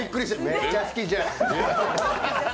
めっちゃ好きじゃんって。